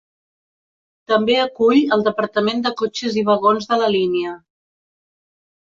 També acull el Departament de cotxes i vagons de la línia.